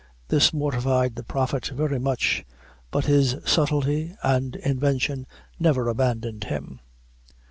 This mortified the Prophet very much, but his subtlety and invention never abandoned him.